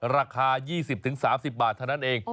ราคา๒๐๓๐บาทเท่านั้นเอง